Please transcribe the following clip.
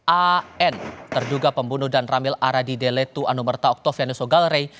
an terduga pembunuh dan ramil arah di depaniai letu anumerta oktavianus sogalrei